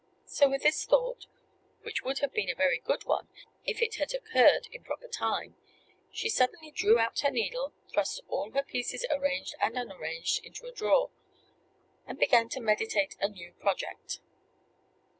So, with this thought (which would have been a very good one if it had occurred in proper time), she suddenly drew out her needle, thrust all her pieces, arranged and unarranged, into a drawer, and began to meditate a new project.